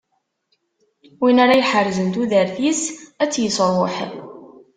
Win ara iḥerzen tudert-is, ad tt-isṛuḥ.